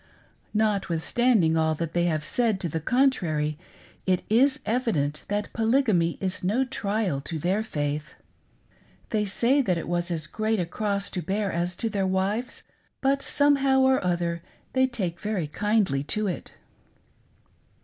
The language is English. Notwithstanding all that they have said to. the contrary, it is evident that Polygamy is no trial to their faith. They say that it is as great a cross to them as it is to their wives, but somehow or other they take very kindly to it.